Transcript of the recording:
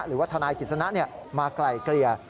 หรือว่าทนายกิจสนะมาไกลเกลี่ย